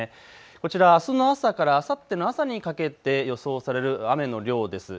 こちら、あすの朝からあさっての朝にかけて予想される雨の量です。